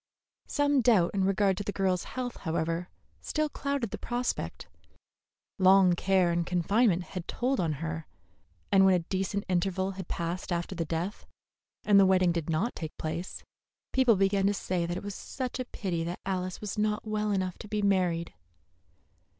Some doubt in regard to the girl's health, however, still clouded the prospect. Long care and confinement had told on her; and when a decent interval had passed after the death, and the wedding did not take place, people began to say that it was such a pity that Alice was not well enough to be married.